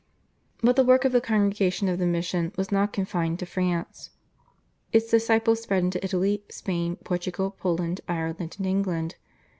But the work of the Congregation of the Mission was not confined to France. Its disciples spread into Italy, Spain, Portugal, Poland, Ireland, and England.